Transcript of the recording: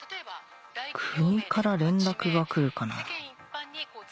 国から連絡が来るかなぁ？